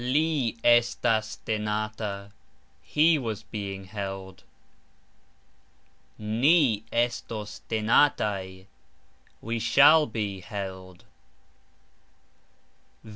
Li estis tenata ............. He was (being) held. Ni estos tenataj ............ We shall be (being) held.